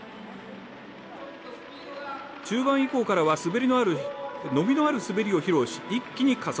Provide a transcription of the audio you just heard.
中盤以降からは伸びのある滑りを披露し、一気に加速。